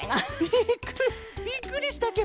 びっくりびっくりしたケロ。